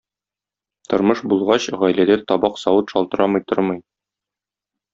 Тормыш булгач, гаиләдә табак-савыт шалтырамый тормый.